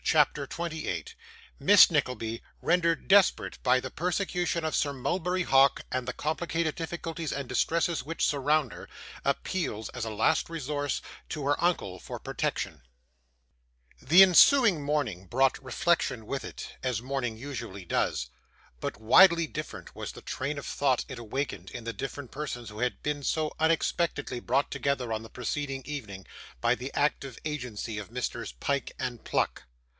CHAPTER 28 Miss Nickleby, rendered desperate by the Persecution of Sir Mulberry Hawk, and the Complicated Difficulties and Distresses which surround her, appeals, as a last resource, to her Uncle for Protection The ensuing morning brought reflection with it, as morning usually does; but widely different was the train of thought it awakened in the different persons who had been so unexpectedly brought together on the preceding evening, by the active agency of Messrs Pyke and Pluck.